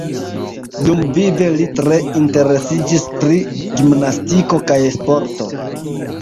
Dumvive li tre interesiĝis pri gimnastiko kaj sporto.